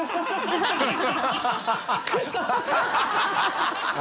ハハハ